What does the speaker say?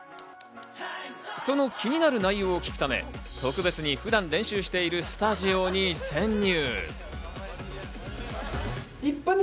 その気になる内容を聞くため、特別に普段練習しているスタジオに潜入。